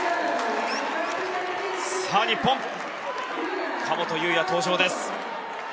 日本、神本雄也の登場です。